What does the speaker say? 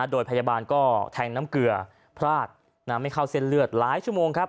โดยพยาบาลก็แทงน้ำเกลือพลาดไม่เข้าเส้นเลือดหลายชั่วโมงครับ